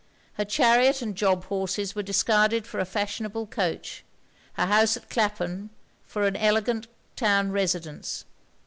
Her chariot and job horses were discarded for a fashionable coach; her house at Clapham, for an elegant town residence.